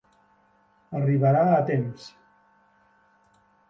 Arribarà a temps.